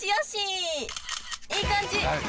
いい感じ。